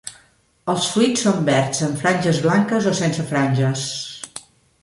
Els fruits són verds amb franges blanques o sense franges.